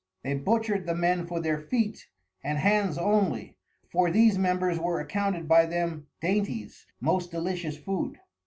They butcher'd the Men for their Feet and Hands only; for these Members were accounted by them Dainties, most delicious Food.